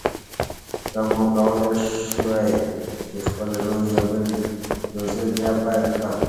که ما کولای شوای چې خپل ژوند یو ځل بیا پیل کړم.